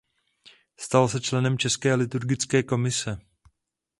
Stal se členem České liturgické komise.